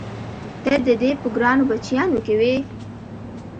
ته د دې په ګرانو بچیانو کې وې؟